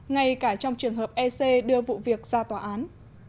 ngay cả trong trường hợp ec đưa vụ việc ra tòa án